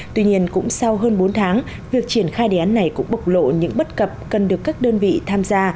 tuy nhiên cũng sau hơn bốn tháng việc triển khai đề án này cũng bộc lộ những bất cập cần được các đơn vị tham gia